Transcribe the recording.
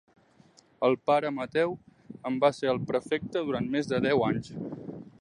El pare Mateu en va ser el prefecte durant més de deu anys.